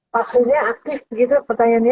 vaksinnya aktif gitu pertanyaannya